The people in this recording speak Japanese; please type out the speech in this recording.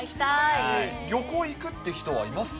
旅行行くっていう人はいます？